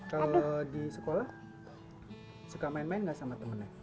kalau di sekolah suka main main nggak sama temennya